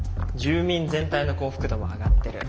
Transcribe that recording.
住民全体の幸福度も上がってる。